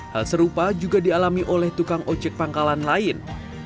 hal serupa juga dialami oleh tukang ojek pangkalan lain